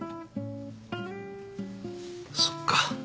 そっか。